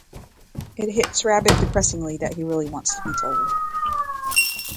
It hits Rabbit depressingly that he really wants to be told.